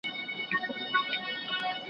تر شهپر یې لاندي کړی سمه غر دی